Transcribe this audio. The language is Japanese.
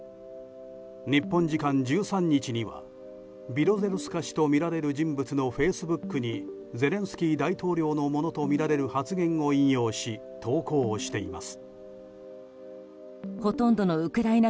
日本時間１３日にはビロゼルスカ氏とみられる人物のフェイスブックにゼレンスキー大統領のものとみられる発言を引用し投稿しています。